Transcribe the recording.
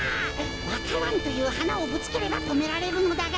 わか蘭というはなをぶつければとめられるのだが。